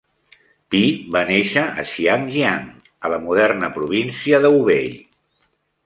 Pi va néixer a Xiangyang, a la moderna província de Hubei.